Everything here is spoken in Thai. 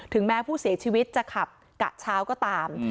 แม้ผู้เสียชีวิตจะขับกะเช้าก็ตาม